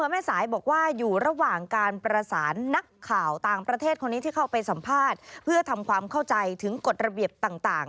แม่สายบอกว่าอยู่ระหว่างการประสานนักข่าวต่างประเทศคนนี้ที่เข้าไปสัมภาษณ์เพื่อทำความเข้าใจถึงกฎระเบียบต่าง